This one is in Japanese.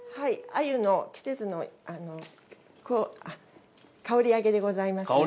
鮎の季節の香り揚げでございます。